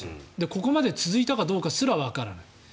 ここまで続いたかどうかすらわからない。